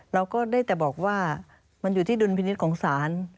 เราก็ได้แต่บอกว่ามันอยู่ที่ดุลพินิษฐ์ของศาล